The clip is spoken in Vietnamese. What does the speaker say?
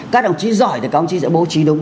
các đồng chí giỏi thì các ông chí sẽ bố trí đúng